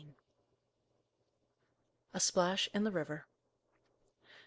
A SPLASH IN THE RIVER.